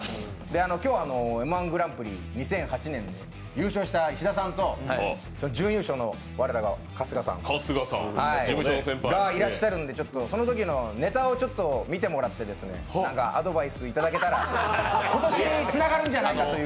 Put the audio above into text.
今日は「Ｍ−１グランプリ２００８」で優勝した石田さんと準優勝の我らが春日さんがいらっしゃるんでそのときのネタを見てもらってアドバイスいただけたら今年につながるんじゃないかという。